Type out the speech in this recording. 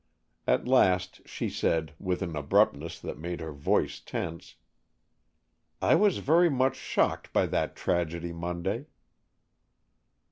At last she said, with an abruptness that made her voice tense, "I was very much shocked by that tragedy Monday."